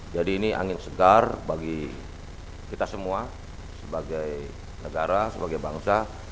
jadi ini angin segar bagi kita semua sebagai negara sebagai bangsa